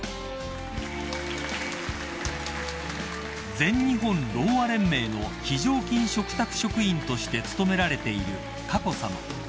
［全日本ろうあ連盟の非常勤嘱託職員として勤められている佳子さま］